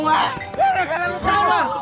gara gara lu sama